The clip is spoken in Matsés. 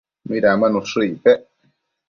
midanbuen ushë icpec?